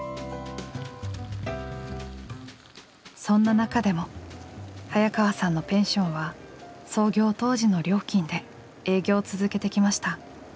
そんな中でも早川さんのペンションは創業当時の料金で営業を続けてきました。